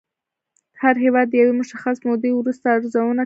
هر هېواد د یوې مشخصې مودې وروسته ارزونه کوي